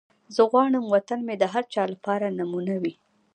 زه غواړم وطن مې د هر چا لپاره نمونه وي.